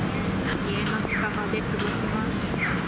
家の近場で過ごします。